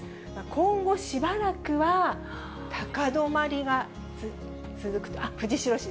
今後、しばらくは高止まりが続くと。